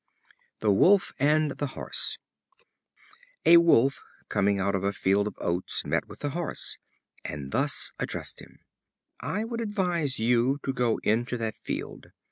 The Wolf and the Horse. A Wolf coming out of a field of oats met with a Horse, and thus addressed him: "I would advise you to go into that field.